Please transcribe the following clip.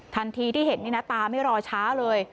ทันทีที่เห็นนี่นะตาไม่รอช้าเลย